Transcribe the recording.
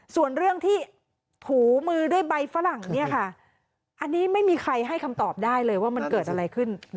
ส่วนเรื่องที่ถูมือด้วยใบฝรั่งเนี่ยค่ะอันนี้ไม่มีใครให้คำตอบได้เลยว่ามันเกิดอะไรขึ้น